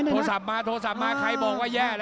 โทรศัพท์มาโทรศัพท์มาใครบอกว่าแย่แล้ว